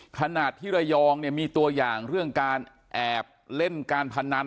ขนาดที่ระยองเนี่ยมีตัวอย่างเรื่องการแอบเล่นการพนัน